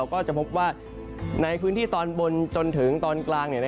ก็จะพบว่าในพื้นที่ตอนบนจนถึงตอนกลาง